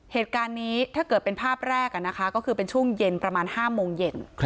เหตุการณ์นี้ถ้าเกิดเป็นภาพแรกนะคะก็คือเป็นช่วงเย็นประมาณ๕โมงเย็น